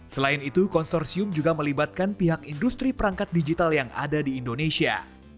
selain itu konsorsium juga melibatkan pihak industri perangkat digital yang ada di indonesia